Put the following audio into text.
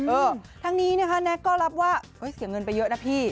เออทั้งนี้นะคะแน็กก็รับว่าเสียเงินไปเยอะนะพี่